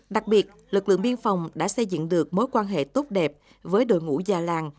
đặc biệt lực lượng biên phòng đã xây dựng được mối quan hệ tốt đẹp với đội ngũ già làng